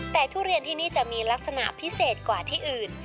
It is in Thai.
แต่ทุเรียนที่นี่จะมีลักษณะพิเศษกว่าที่อื่น